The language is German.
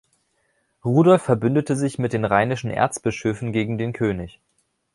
Rudolf verbündete sich mit den rheinischen Erzbischöfen gegen den König.